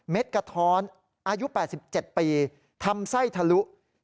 กระท้อนอายุ๘๗ปีทำไส้ทะลุ